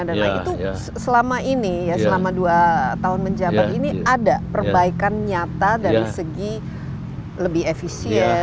dan itu selama ini selama dua tahun menjabat ini ada perbaikan nyata dari segi lebih efisien